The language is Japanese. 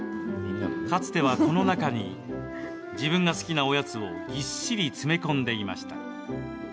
かつては、この中に自分が好きなおやつをぎっしり詰め込んでいました。